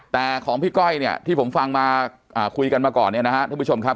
แต่ของพี่ก้อยเนี่ยที่ผมฟังมาคุยกันมาก่อนเนี่ยนะฮะท่านผู้ชมครับ